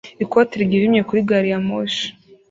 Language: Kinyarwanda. ikoti ryijimye kuri gari ya moshi